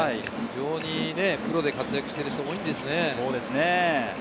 プロで活躍している人、多いんですね。